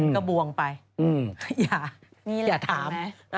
ก็บวงไปอย่าถาม